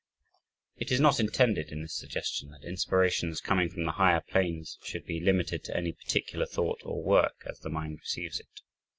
It is not intended in this suggestion that inspirations coming from the higher planes should be limited to any particular thought or work, as the mind receives it.